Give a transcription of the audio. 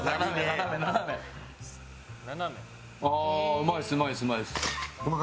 うまいです、うまいです。